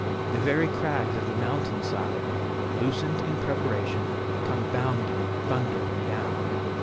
The very crags of the mountain side, loosened in preparation, come bounding, thundering down.